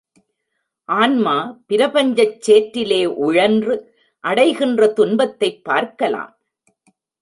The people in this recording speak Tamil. ஆன்மா பிரபஞ்சச் சேற்றிலே உழன்று அடைகின்ற துன்பத்தைப் பார்க்கலாம்.